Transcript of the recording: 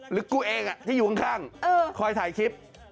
กูเองที่อยู่ข้างคอยถ่ายคลิป